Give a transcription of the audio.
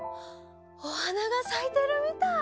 おはながさいてるみたい。